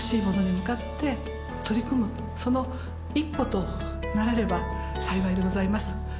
その一歩となれれば幸いでございます。